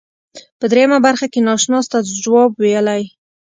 په دریمه برخه کې ناشناس ته جواب ویلی.